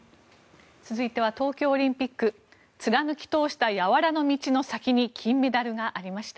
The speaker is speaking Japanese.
続いては東京オリンピック貫き通したやわらの道の先に金メダルがありました。